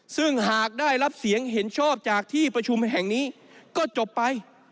ซึ่งหากได้รับเสียงเห็นชอบจากที่ประชุมแห่งนี้ก็จบไป